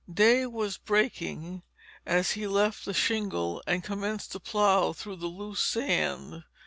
Day was breaking as he left the shingle and commenced to plow through the loose sand.